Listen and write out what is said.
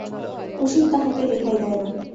কুসুম তাহাকে রেহাই দেয় না।